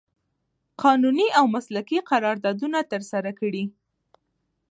قانوني او مسلکي قراردادونه ترسره کړي